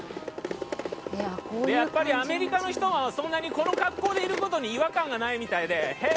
やっぱりアメリカの人もそんなに、この格好でいることに違和感がないみたいでヘイ！